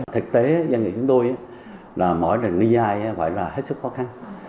thực tế doanh nghiệp chúng tôi là mỗi lần đi dai gọi là hết sức khó khăn